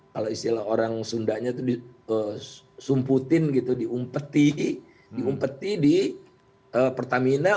kalau istilah orang sundanya itu disumputin gitu diumpeti diumpeti di pertamina